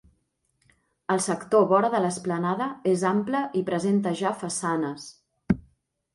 El sector vora de l'esplanada és ample i presenta ja façanes.